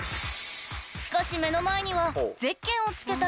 ［しかし目の前には］